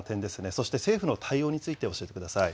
そして政府の対応について教えてください。